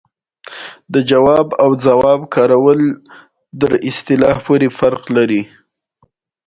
د کابل ښاروالي لویه بودیجه لري